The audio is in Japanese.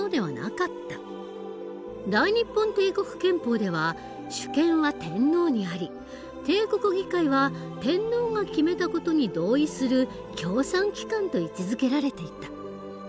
大日本帝国憲法では主権は天皇にあり帝国議会は天皇が決めた事に同意する協賛機関と位置づけられていた。